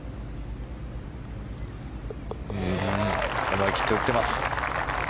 思い切って打ってます。